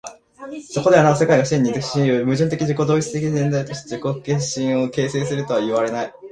そこではなお世界が真に一つの矛盾的自己同一的現在として自己自身を形成するとはいわれない。